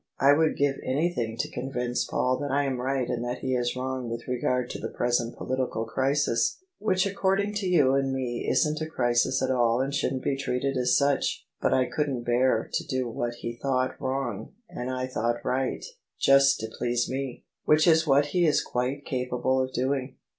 I would give anything to convince Paul that I am right and that he is wrong with regard to the present political crisis, which according to you and me isn't a crisis at all and shouldn't be treated as such : but I couldn't bear him to do what he thought wrong and I thought right, just to please me. Which is what he is quite capable of doing."